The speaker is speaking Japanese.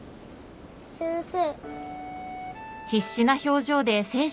先生。